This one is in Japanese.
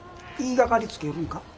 言いがかりつけるんか？